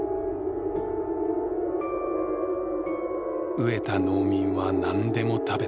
飢えた農民は何でも食べた。